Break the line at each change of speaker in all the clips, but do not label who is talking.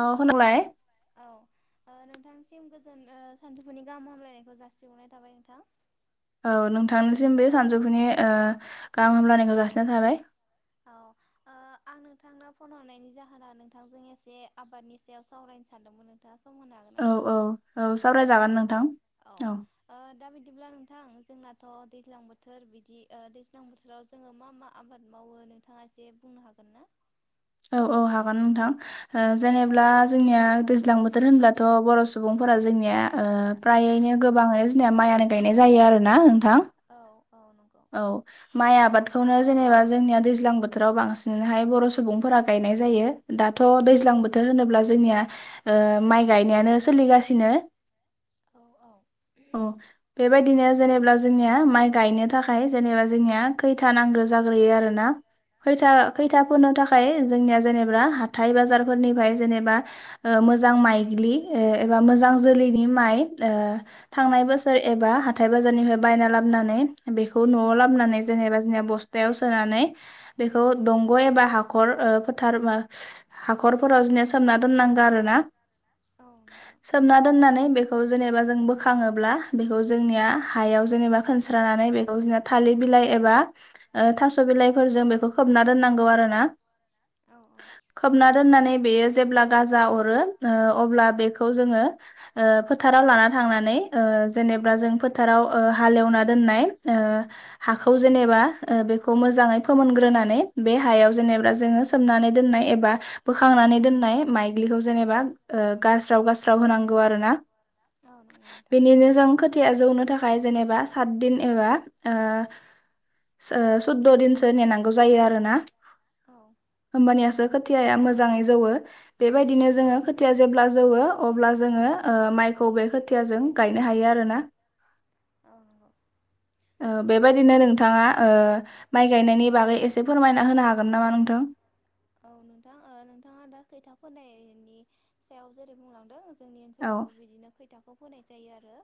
औ खोनाबाय?
औ ओ नोंथांसिम ओ गोजोन सान्जौफुनि गाहाम हामलायनायखौ जासिहरनाय थाबाय नोंथां।
औ नोंथांनिसिमबो सानजौफुनि ओ गाहाम हामलानायखौ जासिनाय थाबाय।
औ आ आं नोंथांनो फन हरनायनि जाहोना नोंथांजों एसे आबादनि सायाव सावरायनो सानदोंमोन नोंथांङा
औ औ औ सावरायजागोन नोंथां औ।
बिदिब्ला नोंथां जोंनाथ दैज्लां बोथोर बिदि ओ दैज्लां बोथोराव जोंङो मा मा आबाद मावो नोंथांङा एसे बुंनो हागोन ना?
औ औ हागोन नोंथां। जेनेब्ला जोंनिया दैज्लां बोथोर होनब्लाथ बर' सुबुंफोरा जोंनिया फ्रायैनो गोबाङै जोंनिया माइ गायनाय जायो आरो ना नोंथां। औ माय आबाद खौनो जेनेबा जोंनिया दैज्लां बोथोराव बांसिनहाय बर सुबुं फोरा गायनाय जायो दाथ' दैज्लां बोथोर होनोब्ला जोंनिया ओ माइ गायनायानो सोलिगासिनो सिनो अ बेबादिनो जेनेब्ला जोंनिया माइ गायनो थाखाय जेनेबा जोंनिया खो था नांग्रो जाग्रोयो आरो ना खैथा खैथा फोनो थाखा य जोंनिया जेनेबा हाथाय बाजारफोरनिफ्राय जेनेबा मोजां माइज्लि ओ मोजां जोलैनि माय ओ थांनाय बोसोर एबा हाथाय बाजारनिफ्राय बायना लाबोनानै बेखौ नआव लाबोननानै जेनेबा जोंनिया बस्थायाव सोनानै बेखौ दंग एबा हाख खर फोथार हाखरफोराव बिदिनो सोमना दोननांगौ आरो। ना? सोमना दोननानै बेखौ जेनेबा जों बोखांङोब्ला। बेखौ जोंनिया हायाव जेनेबा फेनस्रानानै बेखौ जों थालिर बिलाइ। एबा ओ थास बिलाइफोरजों बेखौ खोबना दोननांगौ आरो ना। [inaudible] खोबना दोननानै बेयो जेब्ला गाजा हरो ओ अब्ला बेखौ जोंङो फो थाराव लाना थांनानै ओ जेनेबा जों फोथाराव ओ हालेवना दोननाय ओ हाखौ जे नेबा बेखौ मोजांङै फोमोनग्रोनानै बे हायाव जेनेबा सोमनानै दोननाय एबा बोखांनानै दोननाय मायज्लिखौ जेनेबा ओ गारस्राव गारस्राव होनांगौ आरोना। बेनिनो जों खोथिया जौनो थाखा खाय जेनेबा सातदिन एबा ओ ओ सुद्द दिनसो नेनांगौ जायो आरोना। होमबानियासो खोथियाया मोजांङै जौवो। बेबायदिनो जोंङो खोथिया जेब्ला जौवो अब्ला जोंङो ओ माइखौ बे खोथियाजों गायनो हायो आरो ना ओ बेबायदिनो नोंथाङा ओ माइ गायनायनि बागै एसे फोरमायना होनो हागोन नामा नोंथां?
औ नोंथां ओ नोंथांङा दा खोथिया फोनायनि सायाव जेरै बुंलांदों जोंनि ओनसोलावबो बिदिनो खोथियाखौ फोनाय जायो आरो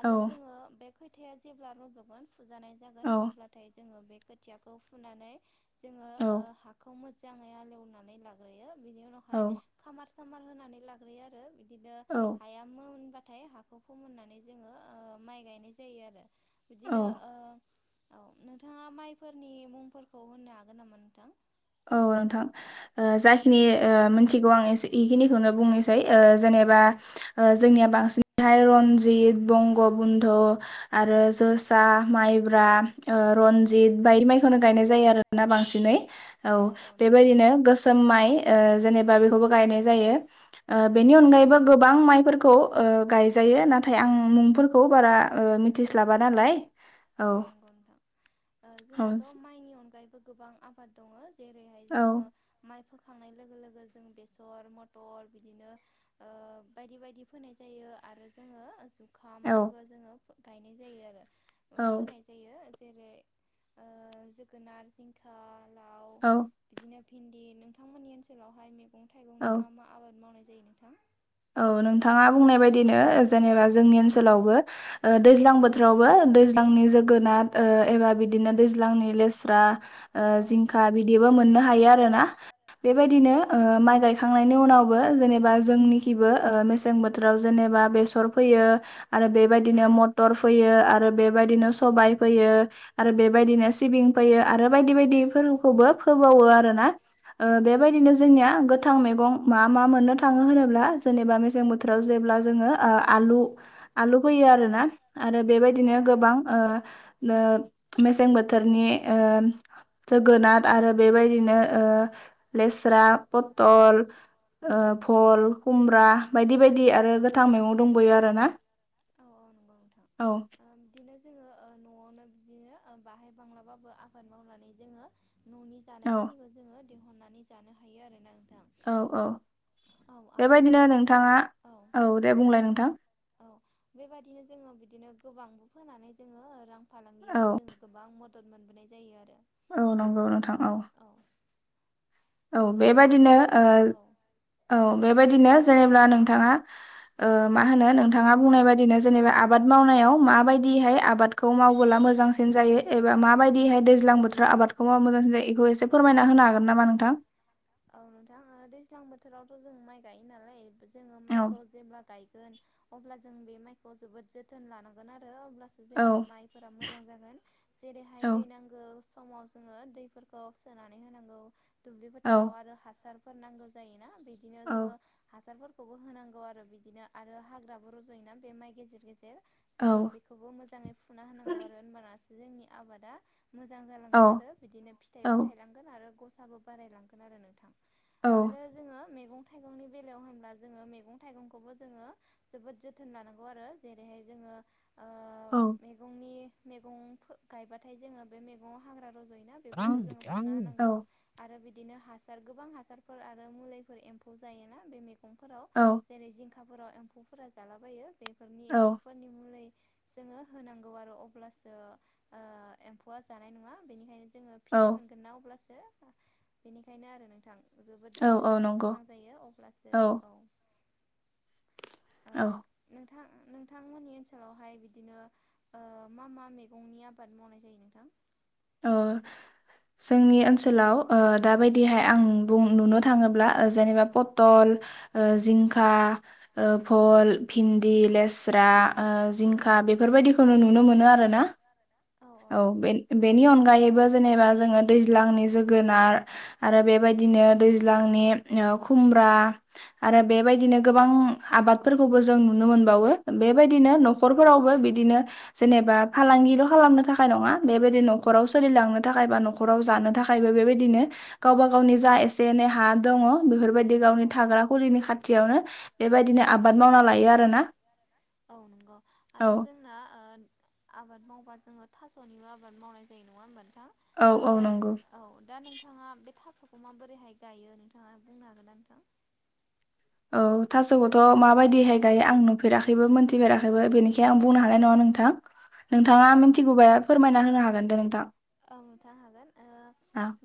आरो जोंङो बे खोथिया जेब्ला रज'गोन फुजानाय जागोन अब्लाथाय जोङो बे खोथियाखौ फुनानै जोंङो ओ हाखौ मोजाङै हलेवनानै लाग्रोयो बेनि उनावहाय खामार सामार होनानै लाग्रोयो आरो बिदिनो हाया मोनबा थाय हाखौ फोमोननानै जोंङो ओ माइ गायनाय जायो आरो बिदिनो ओ औ नोंथाङा माइफोरनि मुंफोरखौ होननो हागोन नामा नोंथां
औ नोंथां ओ जाखिनि ओ मोनथिगौ आं एसे इखिनिखौनो बुंनोसै जेने बा ओ जोंनिया बांसिन हाय रनजि जित बंग बुन्ध' आरो जोसा माइब्रा ओ रनजित बायदि माइखौनो गायनाय जायो आरोना बांसिनै औ बेबायदिनो गोसोम माइ ओ जेनेबा बेखौबो गायनाय जायो ओ बेनि अनगायैबो गोबां माइफोरखौ ओ गायजायो नाथाय आं मुंफोरखौ बारा ओ मिथिस्लाबा नालाय
औ नंगौ नोंथां ओ जोंनाथ' माइनि अनगायैबो गोबां आबाद दंङो जेरैहाय जोंङो माइ फोखांनाय लोगो लोगो जों बेसर मटर बिदिनो ओ बायदि बायदि फोनाय जायो आरो जोंङो जुखाम फोरबो जोंङो गायनाय जायो आरो ओ फोनाय जायो जेरै ओ जोगोनार जिंखा
औ
भिन्दि नोंथांमोननि ओनसोलावहाय मैगं थाइगंनि मा मा आबाद मावनाय जायो नोंथां
औ नोंथाङा बुंनाय बायदिनो जेनेबा जोंनि ओनसोलावबो ओ दैज्लां बोथोरावबो दैज्लांनि जोगोनार ओ एबा बिदिनो दैज्लांनि लेस्रा ओ जिंखा बिदिबो मोननो हायो आरोना बेबायदिनो ओ माइ गाय खांनायनि उनावबो जेनेबा जोंनिखिबो ओ मेसें बोथोराव जेनेबा बेसर फोयो आरो बेबायदिनो मटर फोयो आरो बेबायदिनो सबाय फोयो आरो बेबायदिनो सिबिं फोयो आरो बायदि बायदि फोरखौबो फो होबावो आरोना ओ बेबायदिनो जोंनिया गोथां मैगं मा मा मोननो थांङो होनोब्ला जेनेबा मेसें बोथोराव जेब्ला जोङो ओ आलु- आलु फैयो आरो ना आरो बेबायदिनो गोबां ओ नो मेसें बोथोरनि ओ जोगोनार आरो बेबायदिनो ओ लेस्रा पटल ओ भल खुमब्रा बायदि बायदि आरो गोथां मैगं दंबोयो आरोना
औ नोंथां ओ बिदिनो जोंङो ओ न'आवनो बिदिनो ओ बाहाय बांलाबाबो आबाद मावनानै जोंङो न'नि जानायखिनिखौ जोंङो दिहुननानै जानो हायो आरोना
औ औ बेबायदिनो नोंथाङा औ दे बुंलाय नोंथां
औ बेबादिनो जोंङो बिदिनो गोबांबो फोनानै जोंङो रां फालांगियावबो जों गोबां मद दद मोनबोनाय जायो आरो
औ नंगौ नोंथां औ औ बेबायदिनो ओ औ बेबायदिनो जेनेब्ला नोंथाङा ओ मा होनो नोंथाङा बुंनाय बायदिनो जेनेबा आबाद मावनायाव मा बायदि दिहाय आबादखौ मावबोला मोजांसिन जायो एबा माबायदिहाय दैज्लां बोथोराव आबादखौ मावब्ला मोजांसिन जायो एखौ एसे फोरमायना होनो हागोन नामा नोंथां
औ नोंथां ओ दैज्लां बोथोरावथ' जों माइ गायो नालाय जोंङो माइखौ जेब्ला गाय गोन अब्ला जों बे माइखौ जोबोद जोथोन लानांगोन आ ओ अब्लासो जोंनिया माय फोरा मोजां जागोन जेरोइहाय दै नांगौ समाव जोङो दैफोरखौ सोनानै होनांगौ दुब्लि फोथाराव आरो हासार फोर नांगौ जायोना बिदिनो जोङो हासारफोर खौबो होनांगौ आरो बिदिनो आरो हाग्राबो रज'योना बे माइ गेजेर गेजेर जोङो बेखौबो मोजाङै फुना होनांगौ आरो होनबानासो जोंनि आबादा मोजां जालांगोन आरो बिदिनो फिथाइबो थायलांगोन आरो गसाबो बारायलांगोन आरो नोंथां। आरो जोङो मेगं थाइगंनि बेलायाव होनब्ला जोङो मैगं थाइगंखौबो जोङो जोबोद जोथोन लानांगौ आरो जेरैहाय जोङो
[inaudible]
मैगं फो गायबाथाय जोङो बे मैगङाव हाग्रा रज रजयोना? बेफोरखौ जों फुना होनांगौ आरो बिदि बिदिनो हासार गोबां हासारफोर आरो मुलिफोर एम्फौ जायोना बे मैगंफोराव जेरै जिं खाफोराव एम्फौफोरा जालाबायो बेफोरनि एम्फौफोरनि मुलै जोङो होनांगौ आरो अब्लासो ओ एम्फौआ जानाय नङा बेनिखायनो जोङो फिथाइ मोनगोना अब्लासो बेनिखायनो आरो नोंथां जोबोद जोथोन लानांगौ गोनां जायो अब्लासो औ। ओ नों
[inaudible]
नोंथांमोननि ओनसोलावहाय बिदिनो ओ मा मा मैगंनि आबाद मावनाय जायो नोंथां?
अ जोंनि ओनसोलाव ओ दाबायदिहाय आं बुं नुनो थाङोब्ला जेनेबा पटल ओ जिंखा ओ फल भिन्दि लेस्रा ओ जिंखा बेफोरबायदिखौनो नुनो मोनो आरो ना। औ बे बेनि अनगायैबो जेनेबा जोङो दैज्लांनि जोगोनार आरो बेबायदि बिदिनो दैज्लांनि ओ खुमब्रा आरो बेबायदिनो गोबां आबादफोरखौबो जों नुनो मोनबावो बेबायदिनो नखरफोरावबो बिदिनो जेनेबा फालांगिल' खालामनो थाखाय नङा बेबायदि न'खराव सोलिलांनो थाखाय बा न'खराव जानो थाखायबो बेबायदिनो गावबा गाव गावनि जा एसे एनै हा दङ बेफोरबायदि गावनि थाग्रा खुलिनि खाथियावनो बेबायदिनो आबाद मावना लायो आरोना।
औ नंगौ, आरो जोंना ओ आबाद माव थास'निबो आबाद मावनाय जायो नङा होमबा नोंथां, औ दा नोंथाङा बे थास' खौ माबोरैहाय गायो नोंथाङा बुंनो हागोनना नोंथां?
औ थास'खौथ' माबायदिहाय गायो आं नुफेराखैबो मोनथिफेराखैबो बेनिखाय आं बुंनो हानाय नङा नों नोंथां, नोंथाङा मिथिगौ फोरमायना होनो हागोन दे नोंथां।
ओं नोंथां हागोन ओ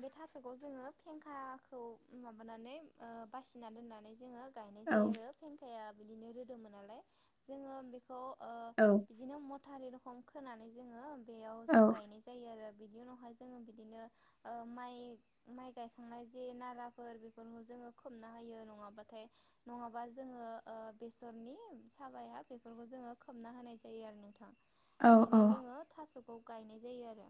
बे थास'खौ जोङो फेंखा खौ माबानानै ओ बासिना दोननानै जोङो गायनाय जायो आरो फेंखाया बिदिनो रोदोमो नालाय जोङो बेखौ
औ।
फारिरखम खोनानै जोङो बेयाव जों गायनाय जायो आरो। बिनि उनावहाय जोङो बिदिनो ओ माइ माइ गायखांनाय जे नाराफोर बेफोरखौ जों खो खोबना होयो नङाबाथाय नङाबा जोङो ओ बेसरनि साबाया बेफोर खौ जोङो खोबना होनाय जायो आरो नोंथां। बिदिनो जोङो थास'खौ गायनाय जायो आरो,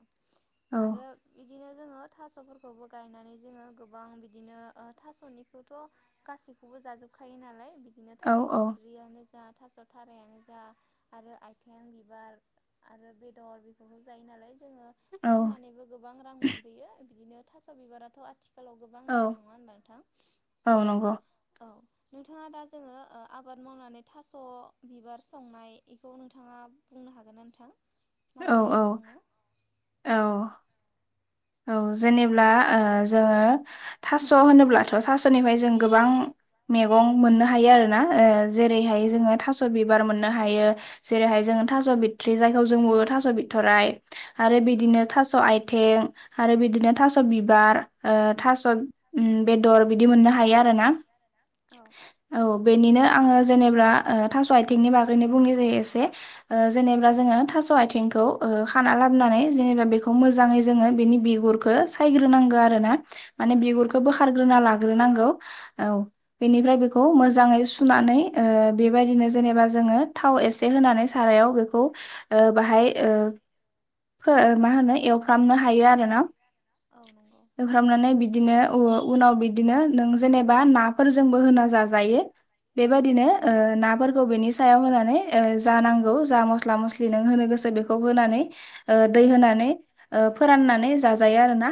आरो
[inaudible]
थासफोरखौबो गायनानै जोङो गोबां बिदिनो ओ थ'निखौथ' गासिखौबो जाजोब जोबखायो नालाय बिदिनो थास' बिथ्रियानो जा थास' थारायानो जा आरो आथिं बिबार आरो बेदर बेबो जायो नालाय जोङो फाननानैबो गोबां रां मोनबोयो, बिदिनो थास' बिबाराथ' आरो आथिखालाव गोबां दाम नङा होनब्ला नोंथां? औ। नोंथाङा दा जोङो ओ आबाद मावनानै थास' बिबार संनाय बेखौ नोंथाङा बुंनो हागोन नोंथां माबोरैहाय सङो?
औ। औ जेनेब्ला ओ जोंङो थास' होनोब्लाथ' थास'निफ्राय जों गोबां मैगं मोननो हायो आरो ना ओ जेरैहाय जोंङो थास' बिबार मोन मोन्नो हायो जेरैहाय जों थास बिथ्रि जायखौ जों बुङो थास बिथराइ आरो बिदिनो थास' आइथिं आरो बिदिनो थास' बिबार ओ थास' उम बेदर बिदि मोननो हायो आरो ना।
औ
बेनिनो आऔङो जेनेब्ला ओ थास' आइथिंनि बागैनो बुंग्रोनो एसे ओ जेनेबा जोंङो था स' आथिंखौ ओ खाना लाबोनानै जेनेबा बेखौ मोजाङै जोंङो बेनि बिगुरखो सायग्रोनांगो आरोना माने बिगुरखो बोखारग्रोना लाग्रोनांगो औ बेनिफ्राय बेखौ मोजाङै सुनानै ओ बेबायदिनो जेनेबा जोंङो थाव एसे होनानै सारायाव बेखौ ओ बाहाय ओ फो-मा होनो एवफ्रामनो हायो आरो एवफ्रामनानै बिदिनो औ उनाव बिदिनो नों जेनेबा नाफोरजोंबो होना जाजायो बेबायदिनो ओ नाफोरखौ बेनि सायाव होनानै जा नांगौ जा मस्ला मस्लि नों होनो गोसो बेखौ होनानै ओ दै होनानै ओ फोराननानै जाजायो आरोना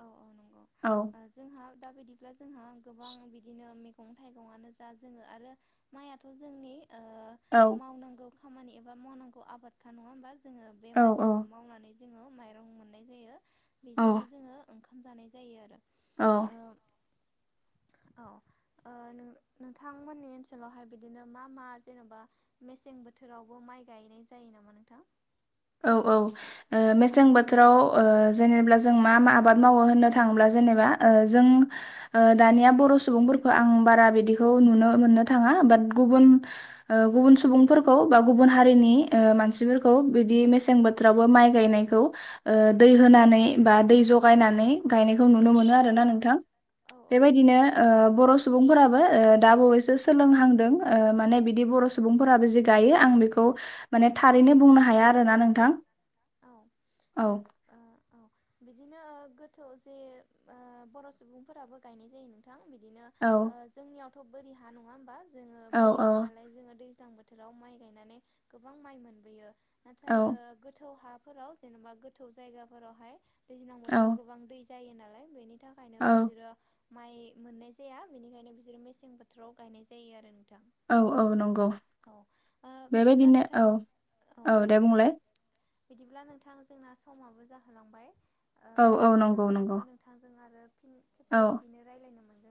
औ औ नंगौ ओ जोंहा दा बिदिब्ला जोंहा गोबां बिदिनो मैगं थाइगंआनो जा जोंङो आरो माइथ' जोंनि ओ मावनांगौ खामानि एबा मावनांगौ आबादखा नङा होमबा जोंङो बे माइखौनो मावनानै जोंङो माइरं मोननाय जायो बेजोंनो जोंङो ओंखाम जानाय जायो आरो
औ [inaudible]
औ ओ नों-नोंथांमोननि ओनसोलावहाय बिदिनो मा मा जेनेबा मेसें बोथोरावबो मा माइ गायनाय जायो नामा नोंथां?
औ औ ओ मेसें बोथोराव ओ जेनेबा जों मा मा आबाद मावो होननो थाङोब्ला जों जेनेबा ओ जों ओ दानिया बर' सुबुंफोरखौ आं बारा बिदिखौ नुनो मोननो थाङा। बाद गुबुन ओ गुबुन सुबुंफोरखौ बा ओ गुबुन हारिनि मानसिफोरखौ बि दि मेसें बोथोरावबो माइ गायनायखौओ दै होनानै बा दै जगायनानै गायनाय नुनो मोन आरोना नोंथां बेबायदिनो ओ बर' सुबुं फोराबो ओ दा बावैसो सोलोंहांदों ओ माने बिदि बर' सुबुंफोराबो जे गायो आं बेखौ माने थारैनो बुं खोनादोंना नोंथां औ
औ बिदिनो गोथौ जे ओ बर' सुबुंफोराबो गायनाय जायो नोंथां बिदिनो ओ जोंनियावथ' बोरि हा नङा होमबा जोंङो बोरि हा नालाय जोंङो दै ज्लां बोथोराव माइ गायनानै गोबां माइ मोनबोयो नाथाय ओ गोथौ हा फोराव जेनेबा गोथौ जायगाफोरावहाय दैज्लां बोथोराव गोबां दै जायो नालाय बेनि बिनि थाखायनो बिसोरो माइ मोननाय जाया बेनिखायनो बिसोरो मेसें बोथोराव गायनाय जायो आरो
औ औ नंगौ बेबायदिनो औ औ दे बुंलाय
बिदिब्ला नोंथां जोंना समाबो जाहोलांबाय ओ आसा खालामो नोंथांजों आरो फिन खेबसे बिदिनो रायज्लायनो मोन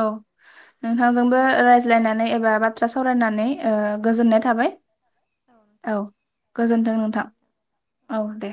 औ नोंथांजोंबो रायज्लायनानै एबा बाथ्रा सावरायनानै ओ गोजोननाय थाबाय। औ गोजोनथों नोंथां औ दे